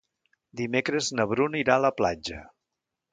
Dimecres na Bruna irà a la platja.